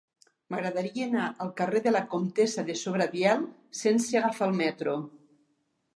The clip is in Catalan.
M'agradaria anar al carrer de la Comtessa de Sobradiel sense agafar el metro.